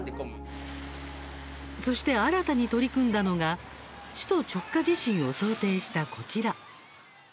そして、新たに取り組んだのが首都直下地震を想定したこちら。